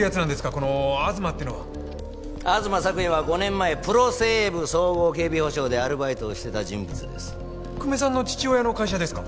この東ってのは東朔也は５年前プロセーブ総合警備保障でアルバイトをしてた人物です久米さんの父親の会社ですか？